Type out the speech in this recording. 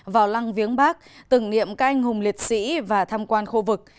vào lăng viếng bắc tưởng niệm các anh hùng liệt sĩ và tham quan khu vực